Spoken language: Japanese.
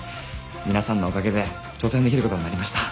皆さんのおかげで挑戦できることになりました。